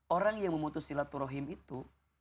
orang yang memutus silaturahim itu